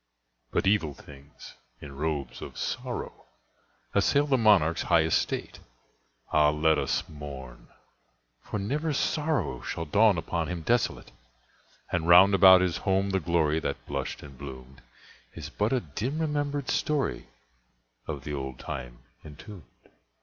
But evil things, in robes of sorrow, Assailed the monarch's high estate. (Ah, let us mourn!—for never morrow Shall dawn upon him desolate!) And round about his home the glory That blushed and bloomed, Is but a dim remembered story Of the old time entombed.